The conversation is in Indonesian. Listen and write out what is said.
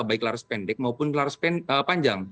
baik laras pendek maupun laras panjang